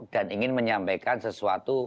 dan ingin menyampaikan sesuatu